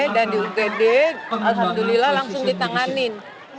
dan di bgd alhamdulillah langsung ditanganin